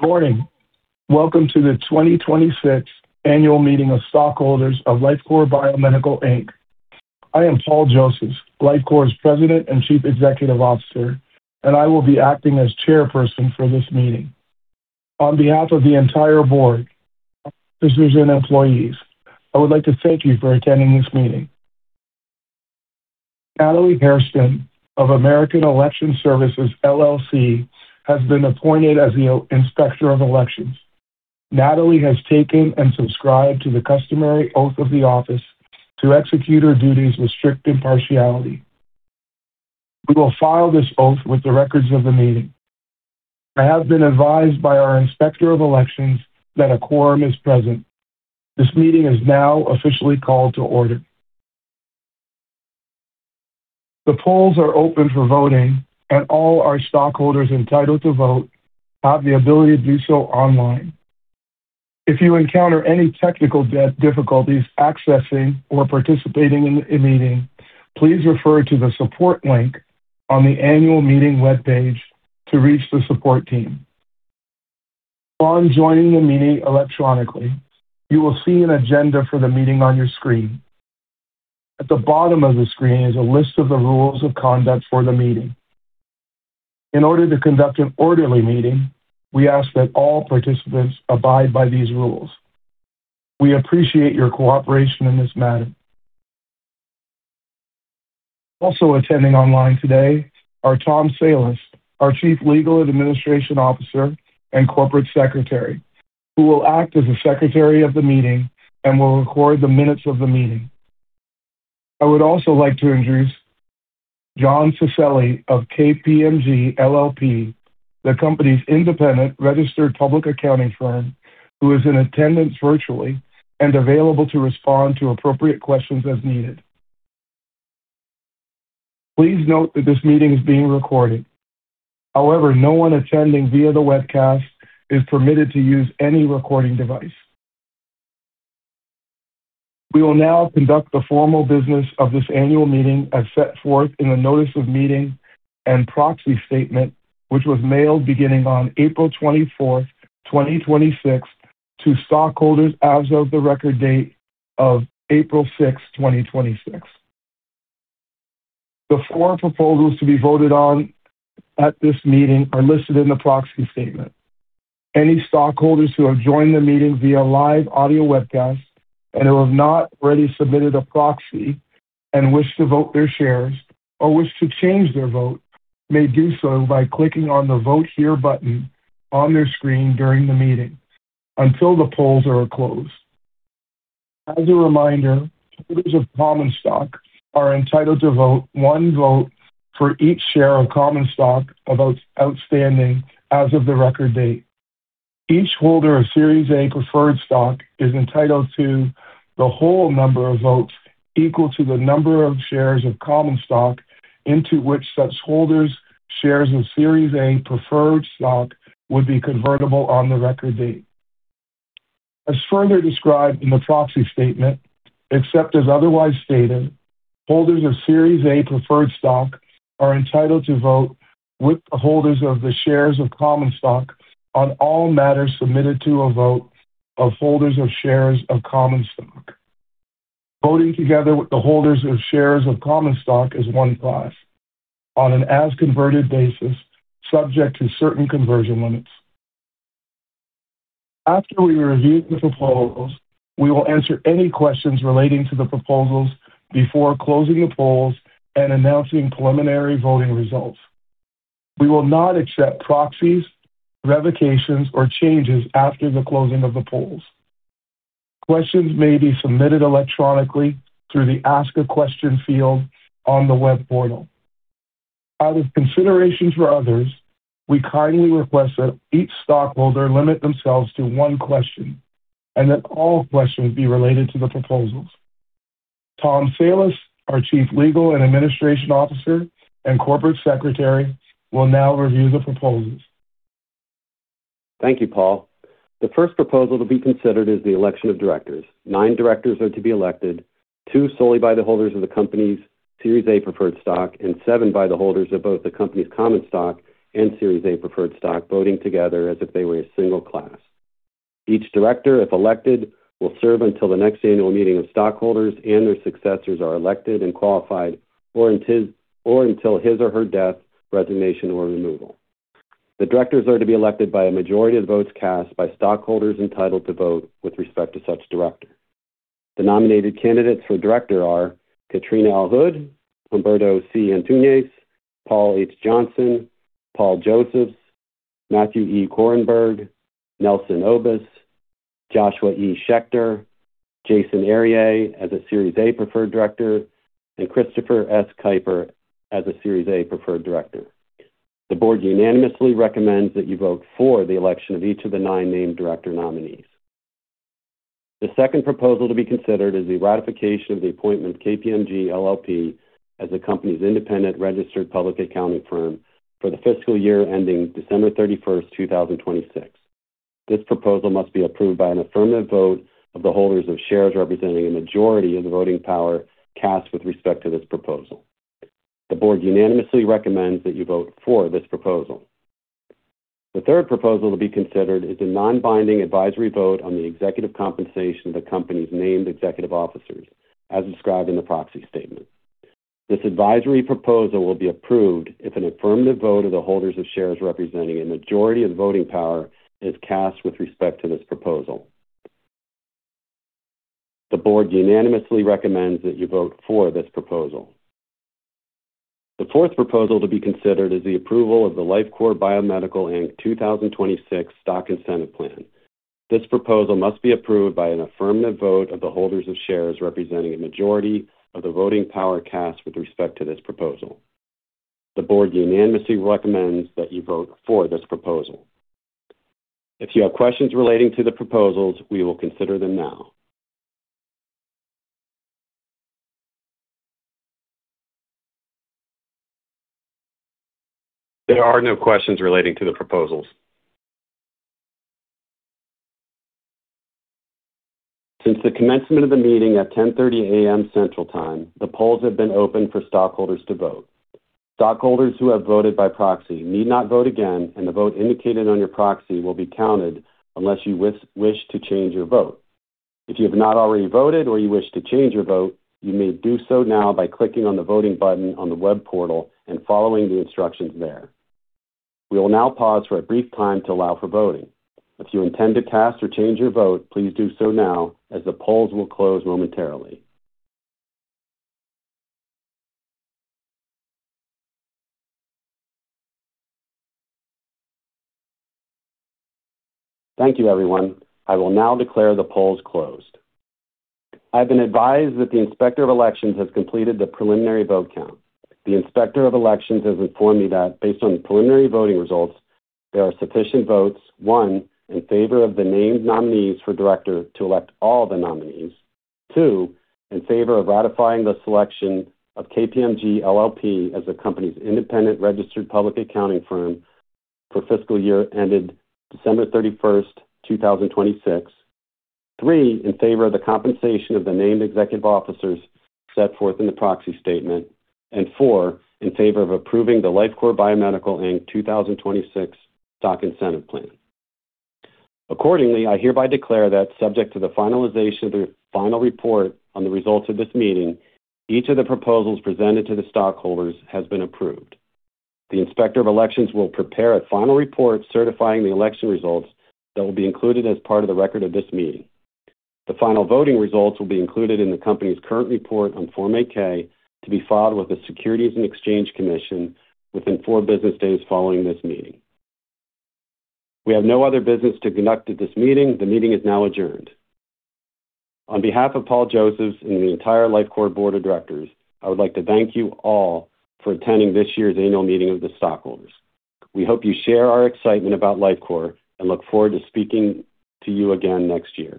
Morning. Welcome to the 2026 Annual Meeting of Stockholders of Lifecore Biomedical, Inc. I am Paul Josephs, Lifecore's President and Chief Executive Officer, and I will be acting as Chairperson for this meeting. On behalf of the entire Board, officers, and employees, I would like to thank you for attending this meeting. Natalie Hairston of American Election Services LLC has been appointed as the Inspector of Elections. Natalie has taken and subscribed to the customary oath of the office to execute her duties with strict impartiality. We will file this oath with the records of the meeting. I have been advised by our Inspector of Elections that a quorum is present. This meeting is now officially called to order. The polls are open for voting, and all our stockholders entitled to vote have the ability to do so online. If you encounter any technical difficulties accessing or participating in the e-meeting, please refer to the support link on the Annual Meeting webpage to reach the support team. Upon joining the meeting electronically, you will see an agenda for the meeting on your screen. At the bottom of the screen is a list of the rules of conduct for the meeting. In order to conduct an orderly meeting, we ask that all participants abide by these rules. We appreciate your cooperation in this matter. Also attending online today are Tom Salus, our Chief Legal and Administration Officer and Corporate Secretary, who will act as the Secretary of the Meeting and will record the minutes of the meeting. I would also like to introduce John Celi of KPMG LLP, the company's independent registered public accounting firm, who is in attendance virtually and available to respond to appropriate questions as needed. Please note that this meeting is being recorded. However, no one attending via the webcast is permitted to use any recording device. We will now conduct the formal business of this Annual Meeting as set forth in the notice of meeting and proxy statement, which was mailed beginning on April 24th, 2026 to stockholders as of the record date of April 6th, 2026. The four proposals to be voted on at this meeting are listed in the proxy statement. Any stockholders who have joined the meeting via live audio webcast and who have not already submitted a proxy and wish to vote their shares or wish to change their vote may do so by clicking on the Vote Here button on their screen during the meeting until the polls are closed. As a reminder, holders of common stock are entitled to vote one vote for each share of common stock outstanding as of the record date. Each holder of Series A preferred stock is entitled to the whole number of votes equal to the number of shares of common stock into which such holder's shares of Series A preferred stock would be convertible on the record date. As further described in the proxy statement, except as otherwise stated, holders of Series A preferred stock are entitled to vote with the holders of the shares of common stock on all matters submitted to a vote of holders of shares of common stock. Voting together with the holders of shares of common stock as one class on an as-converted basis, subject to certain conversion limits. After we review the proposals, we will answer any questions relating to the proposals before closing the polls and announcing preliminary voting results. We will not accept proxies, revocations, or changes after the closing of the polls. Questions may be submitted electronically through the Ask a Question field on the web portal. Out of consideration for others, we kindly request that each stockholder limit themselves to one question and that all questions be related to the proposals. Tom Salus, our Chief Legal and Administration Officer and Corporate Secretary, will now review the proposals. Thank you, Paul. The first proposal to be considered is the election of directors. nine directors are to be elected, two solely by the holders of the company's Series A Preferred Stock and seven by the holders of both the company's common stock and Series A Preferred Stock, voting together as if they were a single class. Each director, if elected, will serve until the next Annual Meeting of stockholders and their successors are elected and qualified or until his or her death, resignation, or removal. The directors are to be elected by a majority of votes cast by stockholders entitled to vote with respect to such director. The nominated candidates for director are Katrina Houde, Humberto C. Antunes, Paul H. Johnson, Paul Josephs, Matthew E. Korenberg, Nelson Obus, Joshua E. Schechter, Jason Aryeh as a Series A Preferred Director, and Christopher S. Kiper as a Series A Preferred Director. The Board unanimously recommends that you vote for the election of each of the nine named director nominees. The second proposal to be considered is the ratification of the appointment of KPMG LLP as the company's independent registered public accounting firm for the fiscal year ending December 31st, 2026. This proposal must be approved by an affirmative vote of the holders of shares representing a majority of the voting power cast with respect to this proposal. The Board unanimously recommends that you vote for this proposal. The third proposal to be considered is a non-binding advisory vote on the executive compensation of the company's named executive officers as described in the proxy statement. This advisory proposal will be approved if an affirmative vote of the holders of shares representing a majority of the voting power is cast with respect to this proposal. The Board unanimously recommends that you vote for this proposal. The fourth proposal to be considered is the approval of the Lifecore Biomedical, Inc. 2026 Stock Incentive Plan. This proposal must be approved by an affirmative vote of the holders of shares representing a majority of the voting power cast with respect to this proposal. The Board unanimously recommends that you vote for this proposal. If you have questions relating to the proposals, we will consider them now. There are no questions relating to the proposals. Since the commencement of the meeting at 10:30 A.M. Central Time, the polls have been open for stockholders to vote. Stockholders who have voted by proxy need not vote again, and the vote indicated on your proxy will be counted unless you wish to change your vote. If you have not already voted or you wish to change your vote, you may do so now by clicking on the voting button on the web portal and following the instructions there. We will now pause for a brief time to allow for voting. If you intend to cast or change your vote, please do so now as the polls will close momentarily. Thank you, everyone. I will now declare the polls closed. I've been advised that the Inspector of Elections has completed the preliminary vote count. The Inspector of Elections has informed me that based on the preliminary voting results, there are sufficient votes, one, in favor of the named nominees for director to elect all the nominees. Two, in favor of ratifying the selection of KPMG LLP as the company's independent registered public accounting firm for fiscal year ended December 31st, 2026. Three, in favor of the compensation of the named executive officers set forth in the proxy statement. Four, in favor of approving the Lifecore Biomedical, Inc. 2026 Stock Incentive Plan. Accordingly, I hereby declare that subject to the finalization of the final report on the results of this meeting, each of the proposals presented to the stockholders has been approved. The Inspector of Elections will prepare a final report certifying the election results that will be included as part of the record of this meeting. The final voting results will be included in the company's current report on Form 8-K to be filed with the Securities and Exchange Commission within four business days following this meeting. We have no other business to conduct at this meeting. The meeting is now adjourned. On behalf of Paul Josephs and the entire Lifecore Board of Directors, I would like to thank you all for attending this year's Annual Meeting of the Stockholders. We hope you share our excitement about Lifecore and look forward to speaking to you again next year.